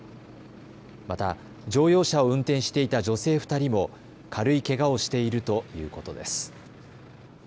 また、乗用車を運転していた女性２人も軽いけがをしているということです。